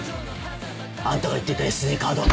あんたが言っていたＳＤカードは。